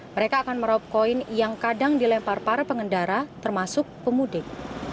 mereka akan meraup koin yang kadang dilempar para pengendara termasuk pemudik